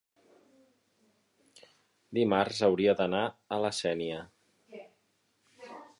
dimarts hauria d'anar a la Sénia.